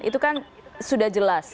itu kan sudah jelas